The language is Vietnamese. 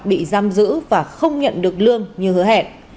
bị giam giữ và không nhận được lương như hứa hẹn